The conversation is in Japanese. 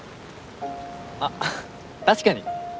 あっ確かに！